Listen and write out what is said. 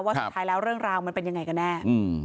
สุดท้ายแล้วเรื่องราวมันเป็นยังไงกันแน่